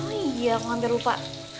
oh iya hampir lupa